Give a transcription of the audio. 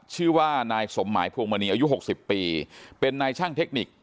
ชื่อว่านายสมหมายพวงมณีอายุ๖๐ปีเป็นนายช่างเทคนิค